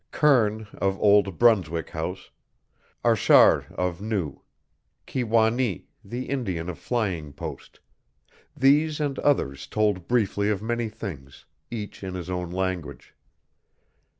Kern of Old Brunswick House, Achard of New; Ki wa nee, the Indian of Flying Post these and others told briefly of many things, each in his own language.